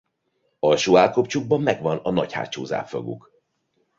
Alsó állkapcsukban megvan a nagy hátsó zápfoguk.